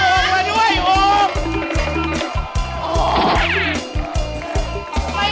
พี่ซักไว้ไว้ไว้